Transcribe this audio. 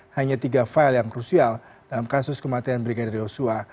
hanya tiga file yang krusial dalam kasus kematian brigadir yosua